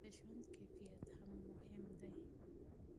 د ژوند کیفیت هم مهم دی.